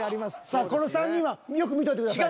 さあこの３人はよく見といてください。